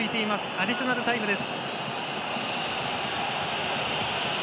アディショナルタイムです。